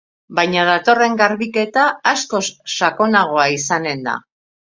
Baina datorren garbiketa askoz sakonagoa izanen da.